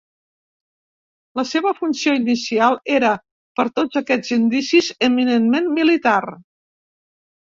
La seva funció inicial, era, per tots aquests indicis, eminentment militar.